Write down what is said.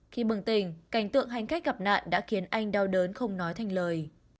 khi bừng tỉnh cảnh tượng hành khách gặp nạn đã khiến anh đau đớn không nói thành lời